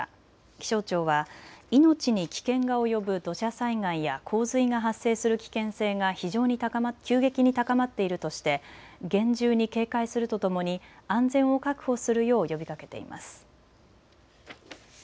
気象庁は命に危険が及ぶ土砂災害や洪水が発生する危険性が急激に高まっているとして厳重に警戒するとともに安全を確保するよう呼びかけています。